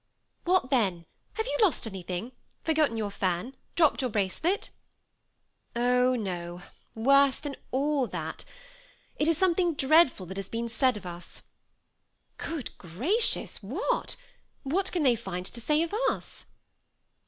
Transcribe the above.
"What then? Have you lost anything? forgotten your fan? dropped your bracelet?" " Oh, no ; worse than all that ; it is something dread ful that has been said of us. " Good gracious ! what? What can they find to say of us?"